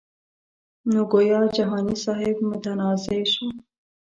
نو ګویا جهاني صاحب متنازعه شو.